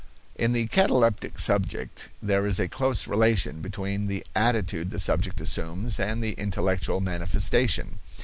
In the cataleptic subject there is a close relation between the attitude the subject assumes and the intellectual manifestation.